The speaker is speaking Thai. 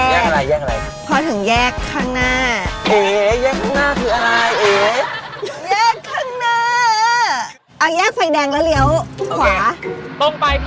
แยกอะไรแยกอะไรพอถึงแยกข้างหน้าเอ๋ยแยกข้างหน้าก็ไง